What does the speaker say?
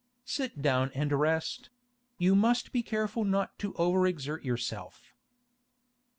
Sit down and rest; you must be careful not to over exert yourself.